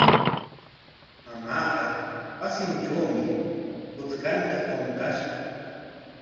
Mamaaqa wasitrawmi puchkanta qunqashqa.